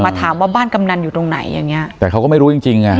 ถามว่าบ้านกำนันอยู่ตรงไหนอย่างเงี้ยแต่เขาก็ไม่รู้จริงจริงอ่ะ